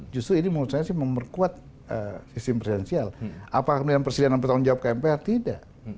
justru ini menurut saya sih memperkuat sistem presidensial apakah kemudian presiden dan bertanggung jawab ke mpr tidak